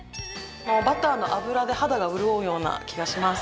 バターの脂で肌が潤うような気がします。